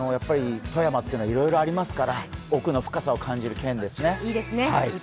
富山っていろいろありますから、奥の深さを感じる県ですね。